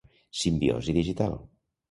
Simbiosi digital.